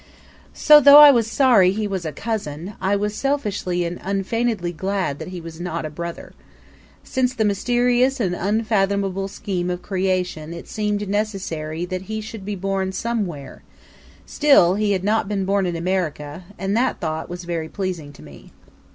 So though I was sorry he was a cousin, I was selfishly and unfeignedly glad that he was not a brother. Since in the mysterious and unfathomable scheme of creation it seemed necessary that he should be born somewhere, still he had not been born in America, and that thought was very pleasing to me.